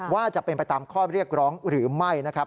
ว่าจะเป็นไปตามข้อเรียกร้องหรือไม่นะครับ